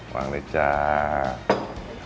วางได้จ้า